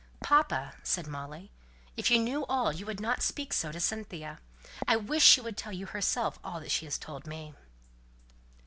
"Papa," said Molly, "if you knew all you wouldn't speak so to Cynthia. I wish she would tell you herself all that she has told me."